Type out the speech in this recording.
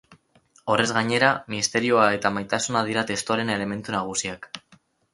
Horrez gainera, misterioa eta maitasuna dira testuaren elementu nagusiak.